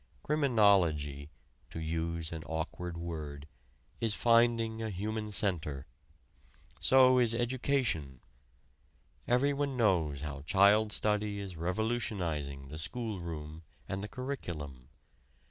Criminology (to use an awkward word) is finding a human center. So is education. Everyone knows how child study is revolutionizing the school room and the curriculum.